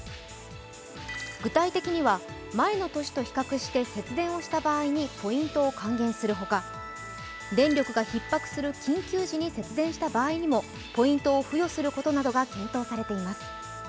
具体的には、前の年と比較して節電をした場合にポイントを還元するほか電力がひっ迫するときにポイントを付与することなどが検討されています。